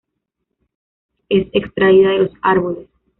Es extraída de los árboles.